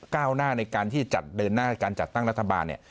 ก้าวหน้าในการกาจดเบิ่นหน้าการจัดตั้งรัฐบาล